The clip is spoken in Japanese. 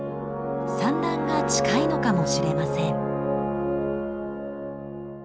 産卵が近いのかもしれません。